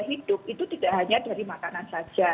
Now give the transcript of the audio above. hidup itu tidak hanya dari makanan saja